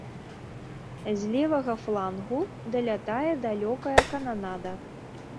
З левага флангу далятае далёкая кананада.